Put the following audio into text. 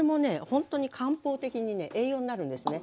ほんとに漢方的にね栄養になるんですね。